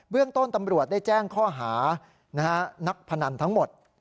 เรื่องต้นตำรวจได้แจ้งข้อหานักพนันทั้งหมด